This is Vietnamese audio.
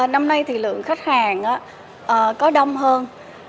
năm nay thì lượng khách hàng có đông hơn